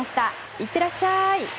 いってらっしゃい！